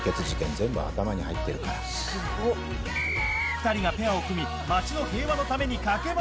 ２人がペアを組み街の平和のために駆け回る！